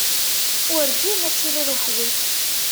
Werǧin ad tiliḍ weḥd-k.